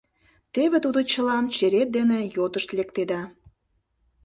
Теве тудо чылам черет дене йодышт лектеда.